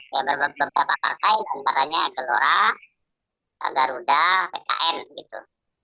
ya beberapa partai antaranya gelora garuda pkn gitu